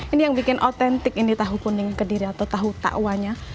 ini yang bikin otentik ini tahu kuning kediri atau tahu takwanya